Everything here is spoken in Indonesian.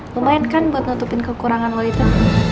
lumayan kan buat nutupin kekurangan lo itu